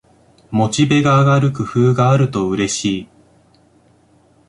モチベが上がる工夫があるとうれしい